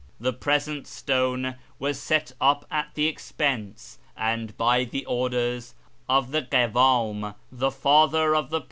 The present stone was set up at the expense, and by the orders, of the Kiwani — the father of the present Sahib Divan.